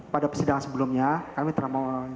pada persidangan sebelumnya kami telah melakukan